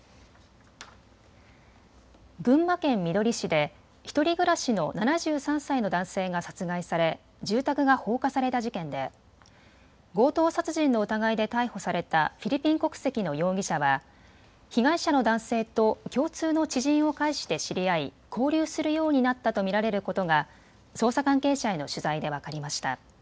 群馬県みどり市で１人暮らしの７３歳の男性が殺害され住宅が放火された事件で強盗殺人の疑いで逮捕されたフィリピン国籍の容疑者は被害者の男性と共通の知人を介して知り合い交流するようになったと見られることが捜査関係者への取材で分かりました。